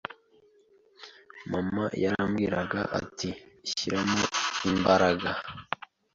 Mama yarambwiraga ati: Shyiramo imbaraga